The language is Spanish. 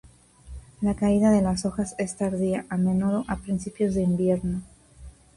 La caída de las hojas es tardía, a menudo a principios de invierno.